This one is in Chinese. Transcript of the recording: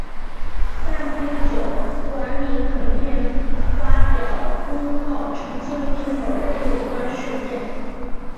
但不久管理层便发表公告澄清并否认有关事件。